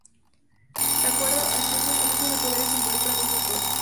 De acuerdo a Clausewitz, el uso de poderes involucra dos factores.